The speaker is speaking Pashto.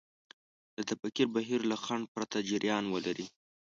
د تفکر بهير له خنډ پرته جريان ولري.